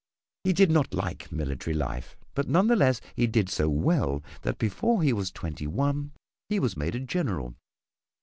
He did not like military life, but none the less he did so well that before he was twenty one he was made a General.